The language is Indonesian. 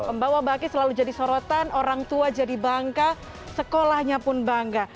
pembawa baki selalu jadi sorotan orang tua jadi bangka sekolahnya pun bangga